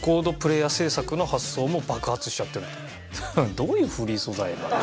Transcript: どういうフリー素材なんです？